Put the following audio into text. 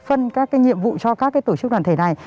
phân các nhiệm vụ cho các tổ chức đoàn thể này